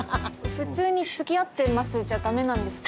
普通につきあってますじゃダメなんですか？